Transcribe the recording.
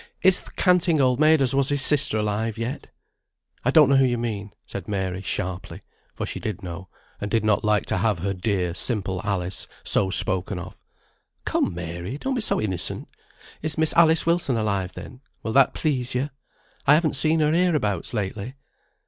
Is th' canting old maid as was his sister alive yet?" "I don't know who you mean," said Mary, sharply; for she did know, and did not like to have her dear, simple Alice so spoken of. "Come, Mary, don't be so innocent. Is Miss Alice Wilson alive, then; will that please you? I haven't seen her hereabouts lately."